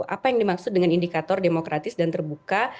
apa yang dimaksud dengan indikator demokratis dan terbuka